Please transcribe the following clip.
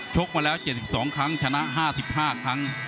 กมาแล้ว๗๒ครั้งชนะ๕๕ครั้ง